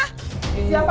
eh siapa siapa